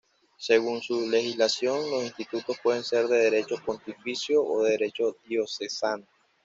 Según su legislación los institutos pueden ser de derecho pontificio o de derecho diocesano.